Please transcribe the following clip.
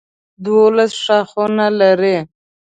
دولس ښاخونه لري.